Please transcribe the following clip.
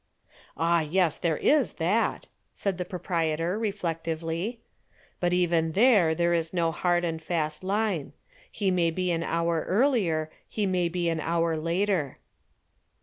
"Ah, yes, there is that," said the proprietor, reflectively. "But even here there is no hard and fast line. He may be an hour earlier, he may be an hour later."